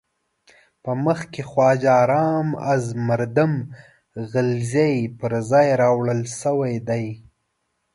په مخ کې خواجه رام از مردم غلزی پر ځای راوړل شوی دی.